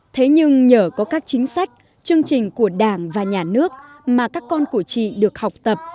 thế nhưng nhờ có các chính sách chương trình của đảng và nhà nước mà các con của chị được học tập